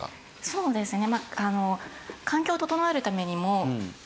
そうですね。